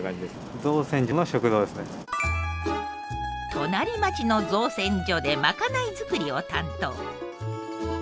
隣町の造船所で賄い作りを担当。